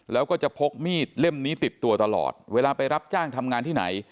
แล้วก็จะพกมีดเล่มนี้ติดตัวตลอดเวลาไปรับจ้างทำงานที่ไหน